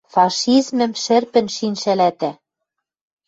Фашизмым шӹрпӹн шин шӓлӓтӓ